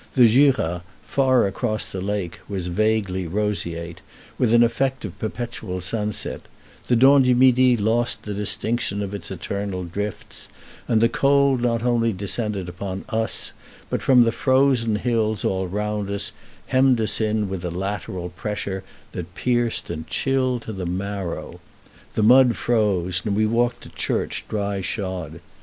The Jura, far across the lake; was vaguely roseate, with an effect of perpetual sunset; the Dent du Midi lost the distinction of its eternal drifts; and the cold not only descended upon us, but from the frozen hills all round us hemmed us in with a lateral pressure that pierced and chilled to the marrow. The mud froze, and we walked to church dry shod.